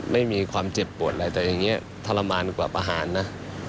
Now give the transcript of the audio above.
ไม่มีความเจ็บปวดอะไรแต่อย่างนี้ทรมานกว่าประหารนะ